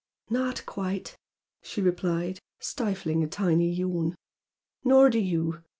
"Not quite!" she replied, stifling a tiny yawn "Nor do you!